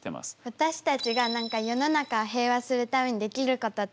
私たちが世の中平和にするためにできることって何ですか？